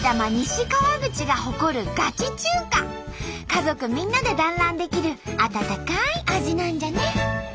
家族みんなで団らんできる温かい味なんじゃね！